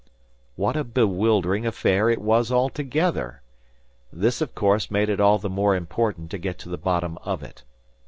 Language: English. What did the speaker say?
What a bewildering affair it was altogether! This, of course, made it all the more important to get to the bottom of it.